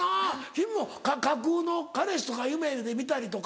君も架空の彼氏とか夢で見たりとか。